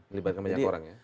melibatkan banyak orang ya